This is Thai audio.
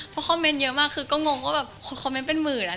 เพราะคอมเมนต์เยอะมากก็งงว่าคอมเมนต์เป็นหมื่น